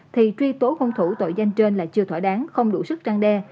thì truy tố hung thủ tội danh trên là chưa thỏa đáng không đủ sức trang đe